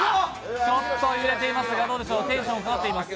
ちょっと揺れていますがどうでしょうテンションかかってます。